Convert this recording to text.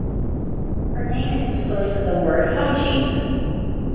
Her name is the source of the word "hygiene".